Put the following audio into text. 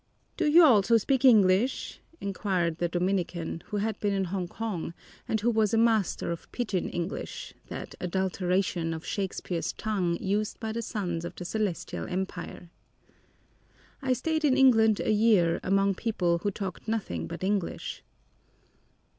"Do you also speak English?" inquired the Dominican, who had been in Hongkong, and who was a master of pidgin English, that adulteration of Shakespeare's tongue used by the sons of the Celestial Empire. "I stayed in England a year among people who talked nothing but English."